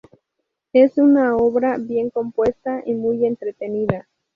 Es una obra bien compuesta y muy entretenida.